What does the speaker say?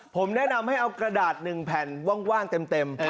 ผมแนะนำให้เอากระดาษ๑แผ่นว่างเต็ม